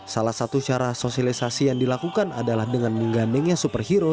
salah satu cara sosialisasi yang dilakukan adalah dengan menggandengnya superhero